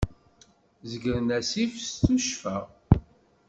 Zeggren assif s tuccfa.